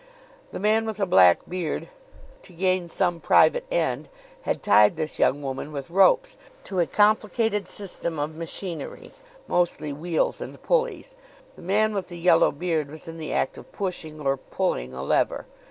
The man with the black beard, to gain some private end, had tied this young woman with ropes to a complicated system of machinery, mostly wheels and pulleys. The man with the yellow beard was in the act of pushing or pulling a lever.